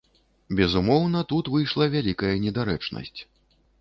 Безумоўна, тут выйшла вялікая недарэчнасць.